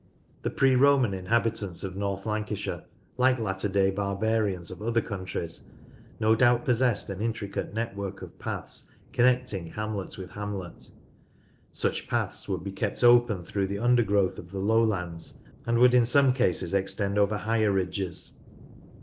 The pre Roman inhabitants of North Lancashire, like latter day barbarians of other countries, no doubt possessed an intricate network of paths connecting hamlet with hamlet. Such paths would be kept open through the undergrowth of the lowlands, and would in some cases extend over higher ridges.